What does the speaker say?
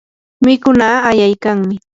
mikunaa ayaykanmi.